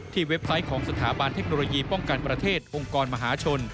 เว็บไซต์ของสถาบันเทคโนโลยีป้องกันประเทศองค์กรมหาชน